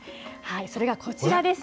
それがこちらです。